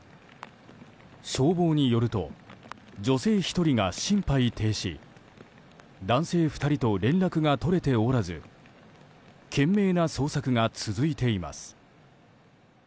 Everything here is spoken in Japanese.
消防によると女性１人が心肺停止男性２人と連絡が取れておらず懸命な捜索が続いています。